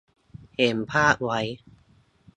เห็นภาพไว้